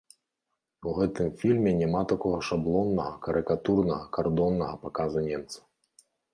У гэтым фільме няма такога шаблоннага, карыкатурнага, кардоннага паказу немцаў.